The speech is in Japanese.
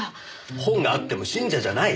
本があっても信者じゃない！